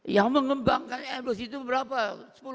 yang mengembangkan embles itu berapa